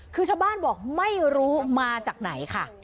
คือชาวบ้านบอกไม่รู้มาจากไหนค่ะ